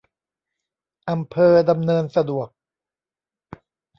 อำเภอดำเนินสะดวก